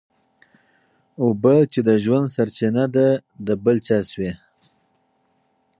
اوبه چي د ژوند سرچینه ده د بل چا شوې.